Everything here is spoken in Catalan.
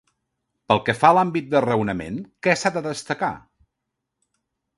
Pel que fa a l'àmbit de raonament, què s'ha de destacar?